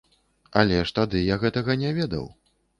Але ж тады я гэтага не ведаў.